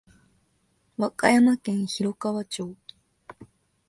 和歌山県広川町